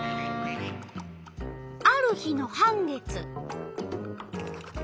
ある日の半月。